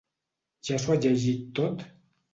Ja s'ho ha llegit tot?